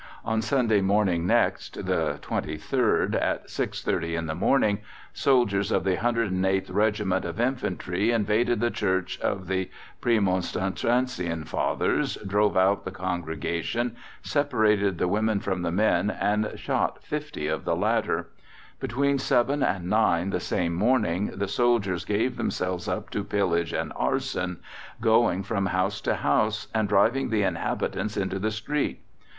On Sunday morning next, the 23rd, at 6.30 in the morning, soldiers of the 108th Regiment of Infantry invaded the Church of the Premonastrensian Fathers, drove out the congregation, separated the women from the men, and shot 50 of the latter. Between 7 and 9 the same morning the soldiers gave themselves up to pillage and arson, going from house to house and driving the inhabitants into the street.